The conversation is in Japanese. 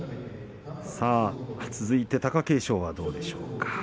続いて貴景勝はどうでしょうか。